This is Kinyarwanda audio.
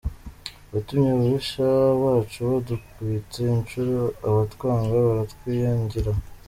Watumye ababisha bacu badukubita incuro, Abatwanga baratwinyagira.